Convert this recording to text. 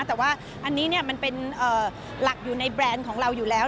แต่ว่าอันนี้มันเป็นหลักอยู่ในแบรนด์ของเราอยู่แล้ว